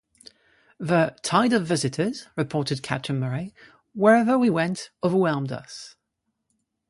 The "tide of visitors," reported Captain Murray, "wherever we went, overwhelmed us.